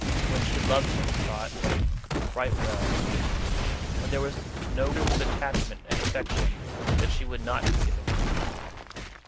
When she loved him, Trot, right well. When there was no proof of attachment and affection that she would not have given him.